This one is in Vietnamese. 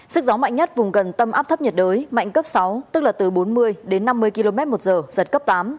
sức gió mạnh nhất vùng gần tâm áp thấp nhiệt đới mạnh cấp sáu tức là từ bốn mươi đến năm mươi km một giờ giật cấp tám